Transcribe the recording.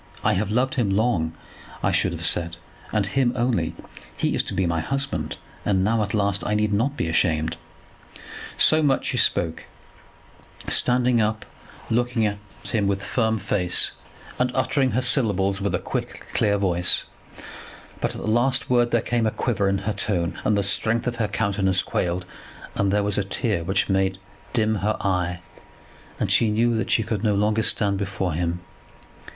'I have loved him long,' I should have said, 'and him only. He is to be my husband, and now at last I need not be ashamed.'" So much she spoke, standing up, looking at him with firm face, and uttering her syllables with a quick clear voice; but at the last word there came a quiver in her tone, and the strength of her countenance quailed, and there was a tear which made dim her eye, and she knew that she could no longer stand before him.